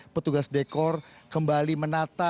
petugas dekor kembali menata